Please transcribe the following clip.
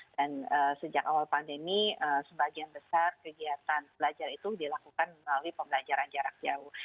dan sejak awal pandemi sebagian besar kegiatan belajar itu dilakukan melalui pembelajaran jarak jauh